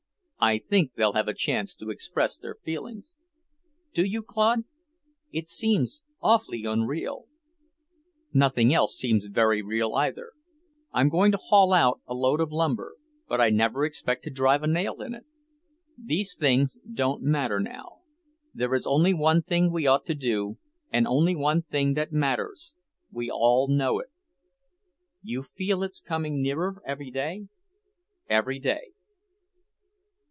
"I think they'll have a chance to express their feelings." "Do you, Claude? It seems awfully unreal." "Nothing else seems very real, either. I'm going to haul out a load of lumber, but I never expect to drive a nail in it. These things don't matter now. There is only one thing we ought to do, and only one thing that matters; we all know it." "You feel it's coming nearer every day?" "Every day."